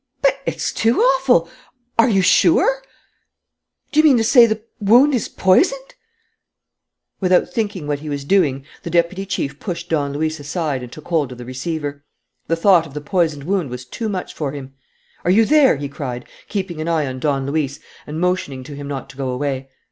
But it's too awful! Are you sure? Do you mean to say the wound is poisoned?" Without thinking what he was doing, the deputy chief pushed Don Luis aside and took hold of the receiver. The thought of the poisoned wound was too much for him. "Are you there?" he cried, keeping an eye on Don Luis and motioning to him not to go away.